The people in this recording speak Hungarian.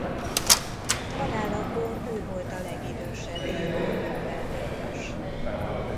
Halálakor ő volt a legidősebb élő Nobel-díjas.